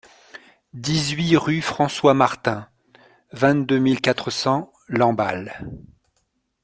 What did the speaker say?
dix-huit rue Francois Martin, vingt-deux mille quatre cents Lamballe